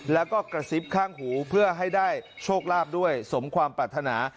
แล้วก็กระซิบข้างหูเพื่อให้ได้โชคลาภด้วยสมความปรารถนา